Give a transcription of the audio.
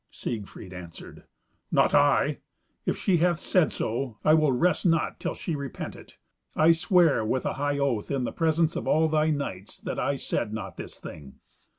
Siegfried answered, "Not I. If she hath said so, I will rest not till she repent it. I swear with a high oath, in the presence of all thy knights, that I said not this thing."